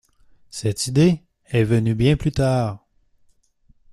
Cette idée est venue bien plus tard...